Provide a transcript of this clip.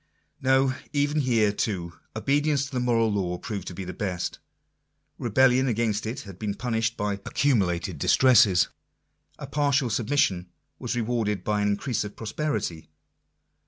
No : even here, too, obedience to the moral law proved to be the best. Rebellion against it had been punished by accumulated distresses : a partial submission was rewarded by an increase of prosperity.